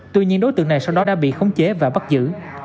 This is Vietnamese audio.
tuy nhiên đối tượng này sau đó đã bị khống chế và bắt giữ